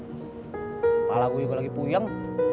kepala gue lagi puyeng